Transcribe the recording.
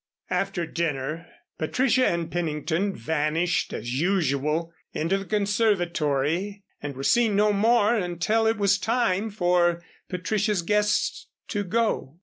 After dinner Patricia and Pennington vanished as usual into the conservatory and were seen no more until it was time for Patricia's guests to go.